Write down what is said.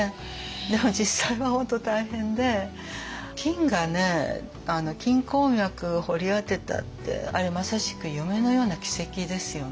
でも実際は本当大変で金がね金鉱脈掘り当てたってあれまさしく夢のような奇跡ですよね。